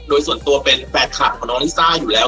โดยส่วนตัวเป็นแฟนคลับของน้องลิซ่าอยู่แล้ว